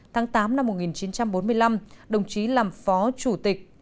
tháng tám năm một nghìn chín trăm bốn mươi năm đồng chí làm phó chủ tịch